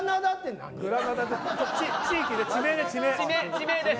地名です。